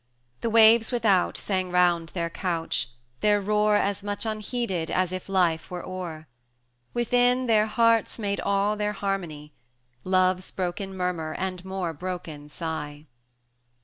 The waves without sang round their couch, their roar As much unheeded as if life were o'er; Within, their hearts made all their harmony, Love's broken murmur and more broken sigh.